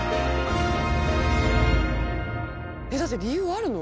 えっだって理由あるの？